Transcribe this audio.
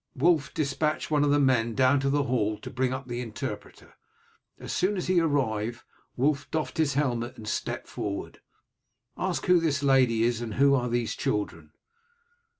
Wulf despatched one of the men down to the hall to bring up the interpreter. As soon as he arrived Wulf doffed his helmet and stepped forward. "Ask who this lady is and who are these children."